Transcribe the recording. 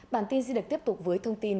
bản tin di lịch tiếp tục với thông tin